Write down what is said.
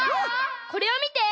これをみて。